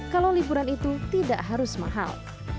kalau liburan itu tidak harus mahal